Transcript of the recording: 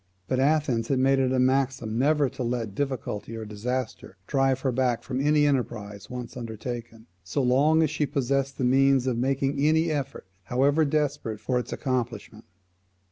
But Athens had made it a maxim never to let difficulty or disaster drive her back from any enterprise once undertaken, so long as she possessed the means of making any effort, however desperate, for its accomplishment.